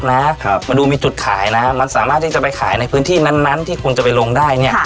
มาดูมีจุดขายนะฮะมันสามารถที่จะไปขายในพื้นที่นั้นที่คุณจะไปลงได้เนี่ย